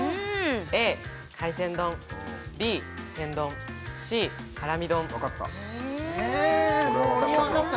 Ａ海鮮丼Ｂ天丼Ｃハラミ丼分かった